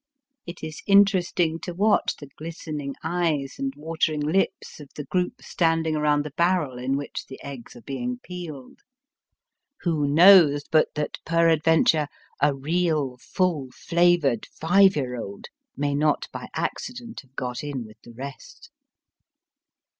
It is interesting to watch the ghsten ing eyes and watering Hps of the group stand ing around the barrel in which the eggs are being peeled. Who knows but that, perad Digitized by VjOOQIC 176 EAST BY WEST. venture, a real full flavoured five year old may not by accident have got in with the rest